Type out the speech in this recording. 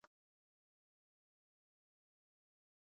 ټولنیز هرم د دې لپاره تقویه کېده.